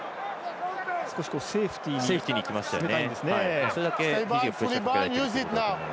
セーフティーにいきましたよね。